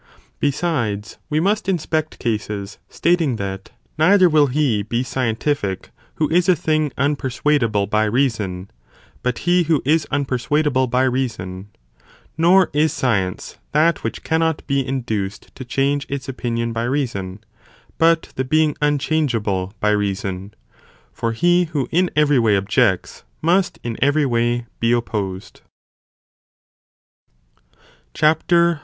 Besides, we must inspect cases, stating that neither will he be scientific, who is (a thing) unpersuadable by reason, but he who is unpersuadable by reason, nor is science that which cannot be induced to change its opinion by reason, but the being unchangeable by reason," for he « tn tne temi who in every way objects, must in every way be nine gender. 2 Taylor. opposed.